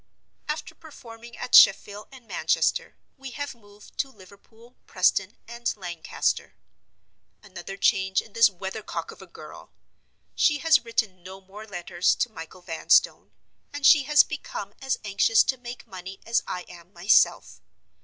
After performing at Sheffield and Manchester, we have moved to Liverpool, Preston, and Lancaster. Another change in this weathercock of a girl. She has written no more letters to Michael Vanstone; and she has become as anxious to make money as I am myself.